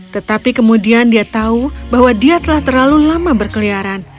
tetapi kemudian dia tahu bahwa dia telah terlalu lama berkeliaran